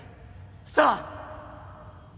さあ。